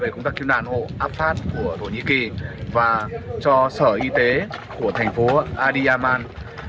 chúng ta cứu nạn hộ áp phát của thổ nhĩ kỳ và cho sở y tế của thành phố adiyaman